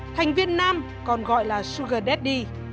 thành viên nam còn gọi là sugar daddy